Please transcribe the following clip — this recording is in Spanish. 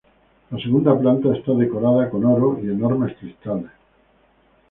La segunda planta está decorada con oro y enormes cristales.